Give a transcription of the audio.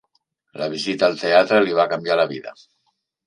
La visita al teatre li va canviar la vida.